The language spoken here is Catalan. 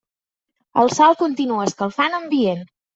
El sol continua escalfant ambient.